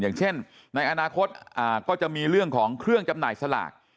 อย่างเช่นในอนาคตก็จะมีเรื่องของเครื่องจำหน่ายสลาก